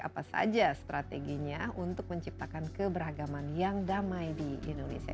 apa saja strateginya untuk menciptakan keberagaman yang damai di indonesia